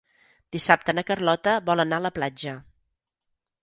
Dissabte na Carlota vol anar a la platja.